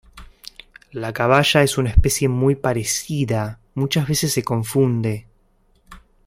La caballa es una especie muy parecida, muchas veces se confunde.